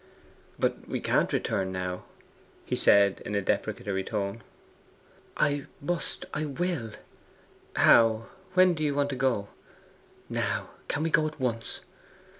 'But we can't return now,' he said in a deprecatory tone. 'I must! I will!' 'How? When do you want to go?' 'Now. Can we go at once?